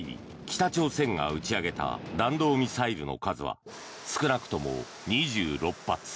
北朝鮮が打ち上げた弾道ミサイルの数は少なくとも２６発。